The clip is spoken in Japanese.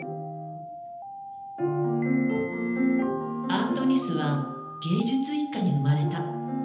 アントニスは芸術一家に生まれた。